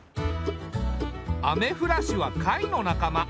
アメフラシは貝の仲間。